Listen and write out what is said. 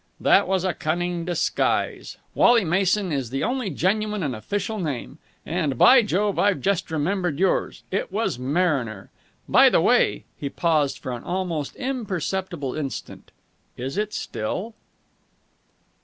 "That was a cunning disguise. Wally Mason is the only genuine and official name. And, by Jove! I've just remembered yours. It was Mariner. By the way," he paused for an almost imperceptible instant "is it still?"